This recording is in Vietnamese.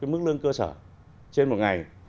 ba mươi mức lương cơ sở trên một ngày